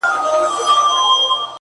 ځمه ويدېږم ستا له ياده سره شپې نه كوم،